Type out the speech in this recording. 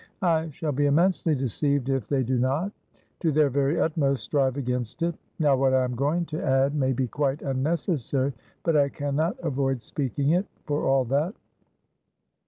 I shall be immensely deceived if they do not, to their very utmost, strive against it. Now what I am going to add may be quite unnecessary, but I can not avoid speaking it, for all that."